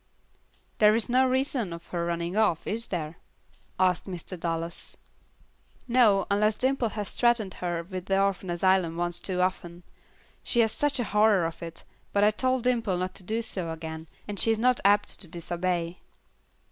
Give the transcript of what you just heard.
"There is no reason for her running off, is there?" asked Mr. Dallas. "No, unless Dimple has threatened her with the orphan asylum once too often. She has such a horror of it, but I told Dimple not to do so again, and she is not apt to disobey."